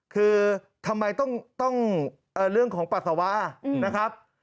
คือทำไมต้องเรื่องของปัสสาวะนะครับ